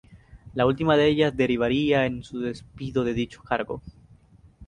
La última de ellas derivaría en su despido de dicho cargo.